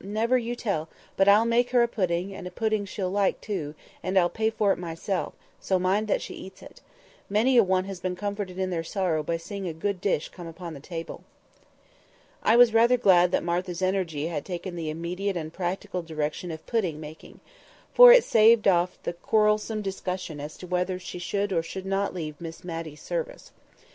Never you tell, but I'll make her a pudding, and a pudding she'll like, too, and I'll pay for it myself; so mind you see she eats it. Many a one has been comforted in their sorrow by seeing a good dish come upon the table." I was rather glad that Martha's energy had taken the immediate and practical direction of pudding making, for it staved off the quarrelsome discussion as to whether she should or should not leave Miss Matty's service.